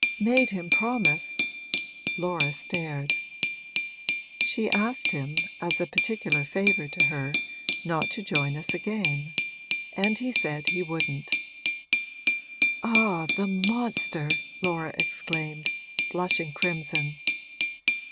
'Made him promise ?' Laura stared. 'She asked him as a particular favour to her not to join us again. And he said he wouldn't.' 'Ah, the monster!' Laura exclaimed, blushing crimson.